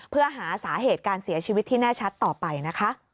เพื่อหาสาเหตุการเสียชีวิตที่แน่ชัดต่อไปนะคะ